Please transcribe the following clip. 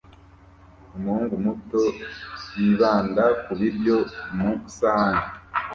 Umuhungu muto yibanda ku biryo mu isahani